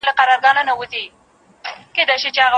افغان کرکټ په سختو شرایطو کې د هیلې او امید یوه ژوندۍ بېلګه ده.